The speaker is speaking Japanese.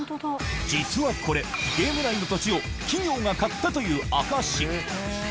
実はこれ、ゲーム内の土地を企業が買ったという証し。